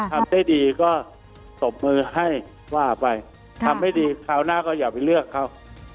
ทำได้ดีก็ตบมือให้ว่าไปทำไม่ดีคราวหน้าก็อย่าไปเลือกเขา